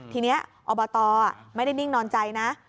ทีนี้อบตไม่ได้นิ่งนอนใจนะ